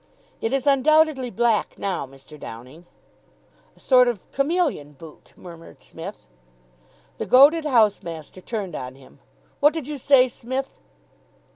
"It is undoubtedly black now, Mr. Downing." "A sort of chameleon boot," murmured Psmith. The goaded housemaster turned on him. "What did you say, Smith?"